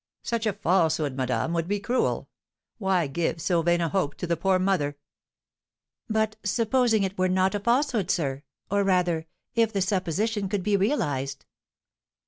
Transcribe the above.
'" "Such a falsehood, madame, would be cruel. Why give so vain a hope to the poor mother?" "But, supposing it were not a falsehood, sir? or, rather, if the supposition could be realised?"